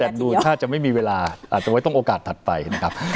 แต่ดูถ้าจะไม่มีเวลาอาจจะไว้ต้องโอกาสถัดไปนะครับ